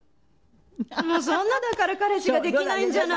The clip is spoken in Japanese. もうそんなだから彼氏ができないんじゃない！